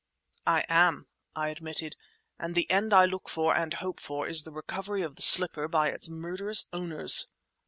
"I am," I admitted, "and the end I look for and hope for is the recovery of the slipper by its murderous owners!"